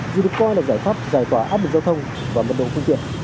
dù được coi là giải pháp giải tỏa áp lực giao thông và mật độ phương tiện